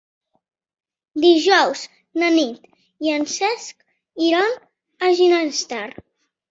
Dijous na Nit i en Cesc iran a Ginestar.